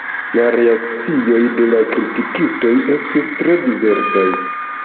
La reakcioj de la kritikistoj estis tre diversaj.